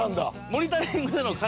「モニタリング」での彼